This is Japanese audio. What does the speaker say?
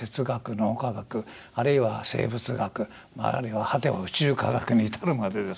脳科学あるいは生物学あるいは果ては宇宙科学に至るまでですね